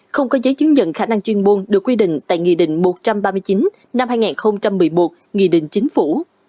không có giấy chứng nhận khả năng chuyên môn được quy định tại nghị định một trăm ba mươi chín năm hai nghìn một mươi một nghị định chính phủ